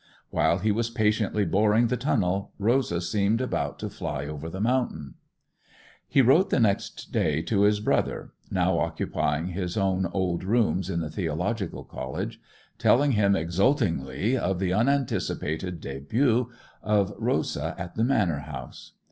While he was patiently boring the tunnel Rosa seemed about to fly over the mountain. He wrote the next day to his brother, now occupying his own old rooms in the theological college, telling him exultingly of the unanticipated début of Rosa at the manor house.